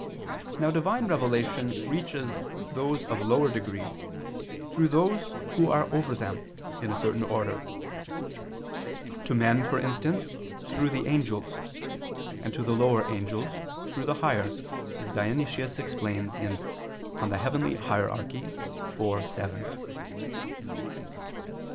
Now Divine revelation reaches those of lower degree through those who are over them, in a certain order; to men, for instance, through the angels, and to the lower angels through the higher, as Dionysius explains (Coel. Hier. iv, vii).